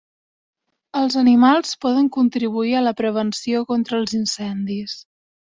Els animals poden contribuir a la prevenció contra els incendis.